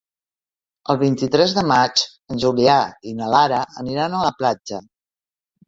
El vint-i-tres de maig en Julià i na Lara aniran a la platja.